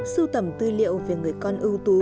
sưu tầm tư liệu về người con ưu tú